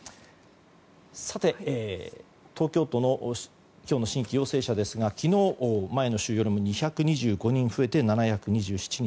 さて、東京都の今日の新規陽性者ですが昨日、前の週よりも２２５人増えて７２７人。